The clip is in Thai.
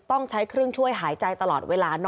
ต้องใช้เครื่องช่วยหายใจตลอดเวลา